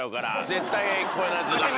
絶対に超えないとダメだよ。